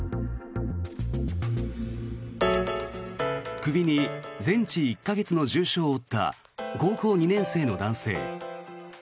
首に全治１か月の重傷を負った高校２年生の男性。